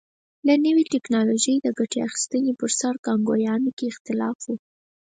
له نوې ټکنالوژۍ د ګټې اخیستنې پر سر کانګویانو کې اختلاف و.